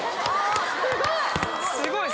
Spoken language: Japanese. すごい！